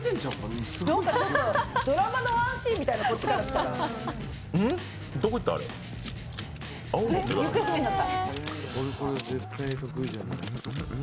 ドラマのワンシーンみたい、こっちから見たら。